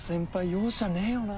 容赦ねえよな。